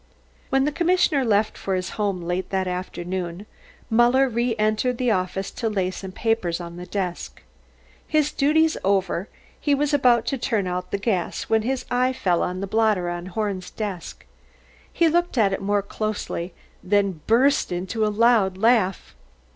When the commissioner left for his home late that afternoon, Muller re entered the office to lay some papers on the desk. His duties over, he was about to turn out the gas, when his eye fell on the blotter on Horn's desk. He looked at it more closely, then burst into a loud laugh.